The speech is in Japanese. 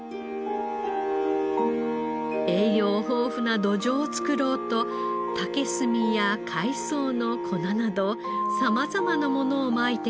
栄養豊富な土壌を作ろうと竹炭や海藻の粉など様々なものをまいてみました。